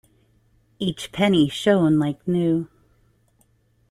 Each penny shone like new.